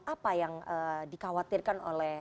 apa yang dikhawatirkan oleh